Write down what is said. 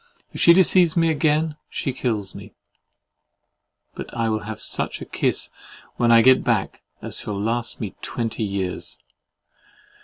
If she deceives me again, she kills me. But I will have such a kiss when I get back, as shall last me twenty years.